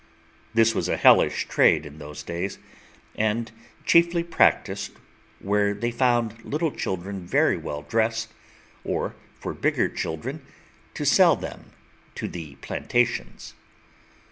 This was a hellish trade in those days, and chiefly practised where they found little children very well dressed, or for bigger children, to sell them to the plantations.